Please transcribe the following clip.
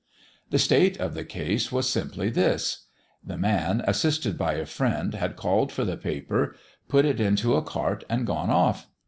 The state of the case was simply this: The man, assisted by a friend, had called for the paper, put it into a cart, and gone off.